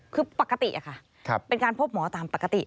คือปกติค่ะเป็นการพบหมอตามปกติ